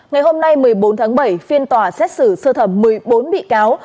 ngày hôm nay một mươi bốn tháng bảy phiên tòa xét xử sơ thẩm một mươi bốn bị cáo